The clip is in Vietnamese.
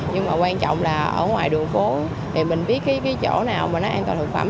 nhưng mà quan trọng là ở ngoài đường phố thì mình biết cái chỗ nào mà nó an toàn thực phẩm